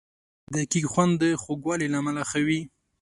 د کیک خوند د خوږوالي له امله ښه وي.